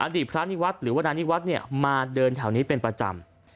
ดีพระนิวัฒน์หรือว่านายนิวัฒน์มาเดินแถวนี้เป็นประจำ